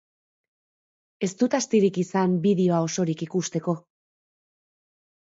Ez dut astirik izan bideoa osorik ikusteko.